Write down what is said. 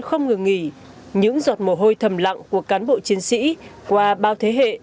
không ngừng nghỉ những giọt mồ hôi thầm lặng của cán bộ chiến sĩ qua bao thế hệ